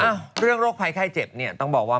อ้าวเรื่องโรคไพไข้เจ็บต้องบอกว่า